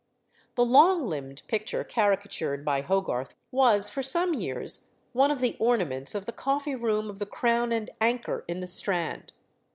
The long limbed picture caricatured by Hogarth was for some years one of the ornaments of the coffee room of the Crown and Anchor in the Strand.